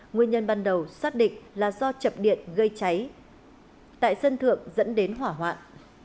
nguyên nhân ban đầu xác định là do chập điện gây cháy tại sân thượng dẫn đến hỏa hoạn